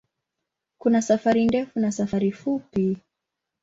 Kuna safari ndefu na safari fupi.